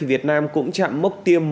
việt nam cũng chạm mốc tiêm